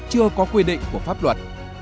chưa có quy định của pháp luật